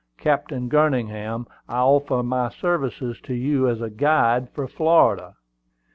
Captain Garningham, I offer my services to you as a guide for Florida."